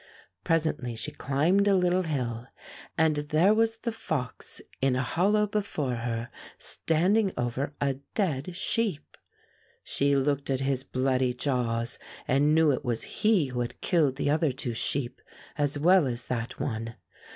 Presently she climbed a little hill, and there was the fox in a hollow before her standing over a dead sheep. She looked at his bloody jaws and knew it was he who had killed the other two sheep as well as that one.